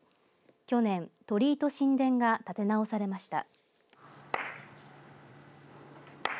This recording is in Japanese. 去年鳥居と神殿が建て直されました。